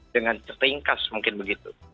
dengan ringkas mungkin begitu